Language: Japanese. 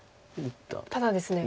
ただですね